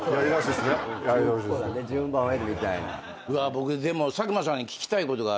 僕でも。